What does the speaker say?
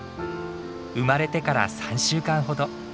生まれてから３週間ほど。